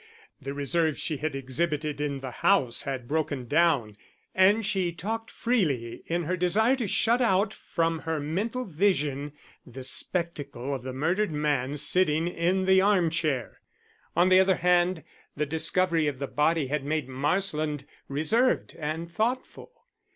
The reserve she had exhibited in the house had broken down, and she talked freely in her desire to shut out from her mental vision the spectacle of the murdered man sitting in the arm chair. On the other hand, the discovery of the body had made Marsland reserved and thoughtful.